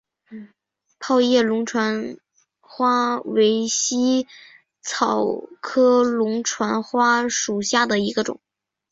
泡叶龙船花为茜草科龙船花属下的一个种。